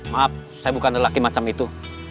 maaf saya bukan lelaki macam itu